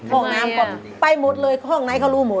ห้องน้ำก็ไปหมดเลยห้องไหนเขารู้หมด